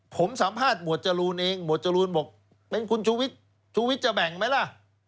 ผมสัมภาษณ์หมวดจรูนเองหมวดจรูนบอกเป็นคุณชูวิทย์ชูวิทย์จะแบ่งไหมล่ะ